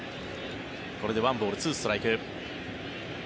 これで１ボール２ストライク。